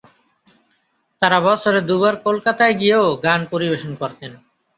তাঁরা বছরে দু বার কলকাতায় গিয়েও গান পরিবেশন করতেন।